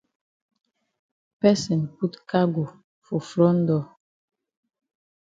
Person put cargo for front door.